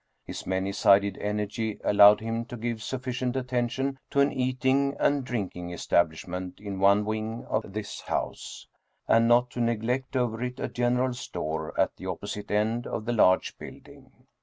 His many sided energy allowed him to give sufficient attention to an eating and drinking establishment in one wing of this house, and not to neglect over it a general store at the opposite end of the large building.